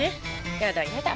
やだやだ。